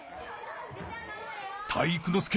体育ノ介